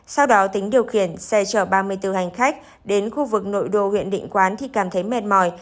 sau đó tính điều khiển xe chở ba mươi bốn hành khách đến khu vực nội đô huyện định quán thì cảm thấy mệt mỏi